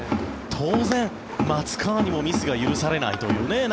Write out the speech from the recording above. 当然、松川にもミスが許されないという。